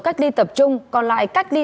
cách ly tập trung còn lại cách ly